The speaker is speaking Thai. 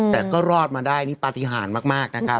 แต่ก็รอดมาได้นี่ปฏิหารมากนะครับ